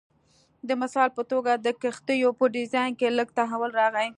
د مثال په توګه د کښتیو په ډیزاین کې لږ تحول راغی